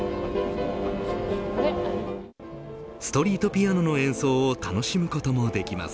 ストリートピアノの演奏を楽しむこともできます。